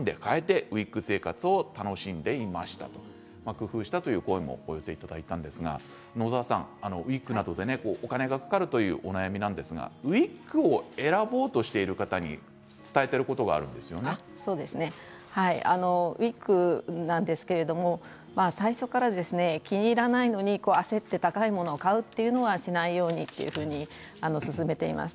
工夫したという声もお寄せいただいたんですが野澤さん、ウイッグなどでお金がかかるというお悩みなんですがウイッグを選ぼうとしている方にウイッグなんですけれど最初から気にいらないのに焦って高いものを買うというのはしないようにというふうに勧めています。